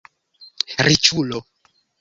riĉulo